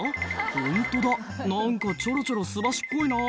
「ホントだ何かちょろちょろすばしっこいな」